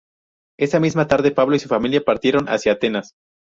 Esa misma tarde Pablo y su familia partieron hacia Atenas.